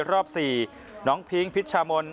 รอบ๔น้องพิงพิชชามน